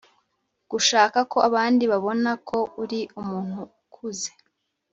gushaka ko abandi babona ko uri umuntu ukuze